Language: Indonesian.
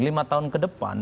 lima tahun ke depan